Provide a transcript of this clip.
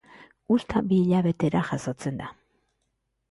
Uzta bi hilabetera jasotzen da.